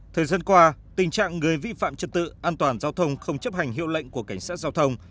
thời gian qua tình trạng người vi phạm trật tự an toàn giao thông không chấp hành hiệu lệnh của cảnh sát giao thông